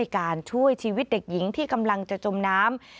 การช่วยชีวิตเด็กหญิงที่กำลังจะจมน้ำ